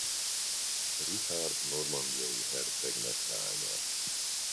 Richárd normandiai hercegnek lánya.